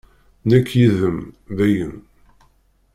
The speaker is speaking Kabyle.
Nekk yid-m, dayen!